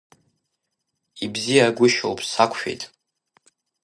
Ибзиагәышьоуп, сақәшәеит.